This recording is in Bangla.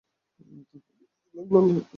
তারপর বলতে লাগলেন, আল্লাহর কসম!